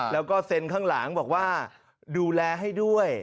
แล้วก็เซ็นข้างหลังบอกว่าดูแลให้ด้วย